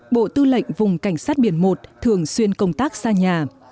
bộ tư lệnh vùng cảnh sát biển một thường xuyên công tác xa nhà